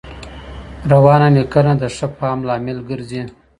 روانه لیکنه د ښه فهم لامل ګرځي.